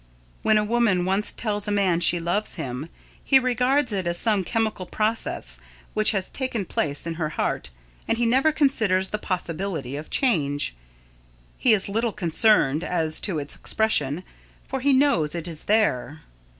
When a woman once tells a man she loves him, he regards it as some chemical process which has taken place in her heart and he never considers the possibility of change. He is little concerned as to its expression, for he knows it is there.